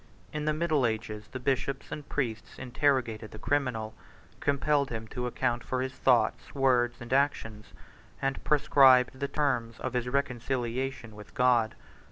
In the middle ages, the bishops and priests interrogated the criminal; compelled him to account for his thoughts, words, and actions; and prescribed the terms of his reconciliation with God.